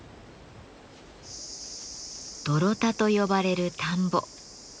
「泥田」と呼ばれる田んぼ。